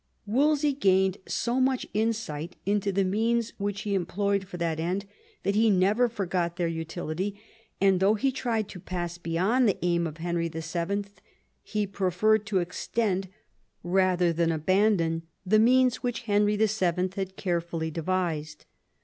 Wolsey gained so much insight into the means which he employed for that end that he never forgot their utility ; and though he tried to pass beyond the aim of Henry VIL, he preferred to extend rather than abandon the means which Henry VII. had carefully devised.